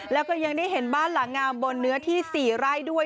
แล้วก็ยังได้เห็นบ้านหลังงามบนเนื้อที่๔ไร่ด้วย